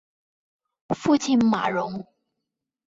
父亲马荣。